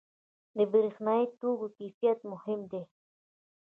• د برېښنايي توکو کیفیت مهم دی.